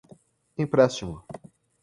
empréstimo